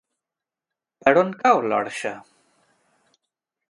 Per on cau l'Orxa?